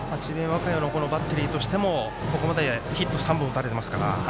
和歌山のバッテリーとしてもここまでヒット３本打たれてますから。